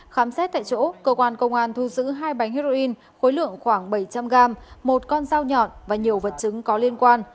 khám xét tại chỗ cơ quan công an thu giữ hai bánh heroin khối lượng khoảng bảy trăm linh gram một con dao nhọn và nhiều vật chứng có liên quan